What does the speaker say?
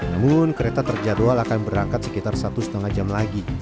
namun kereta terjadwal akan berangkat sekitar satu lima jam lagi